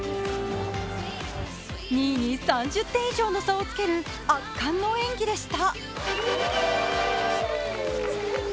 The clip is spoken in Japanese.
２位に３０点以上の差をつける圧巻の演技でした。